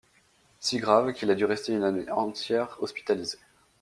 Si grave qu'il a dû rester une année entière hospitalisé.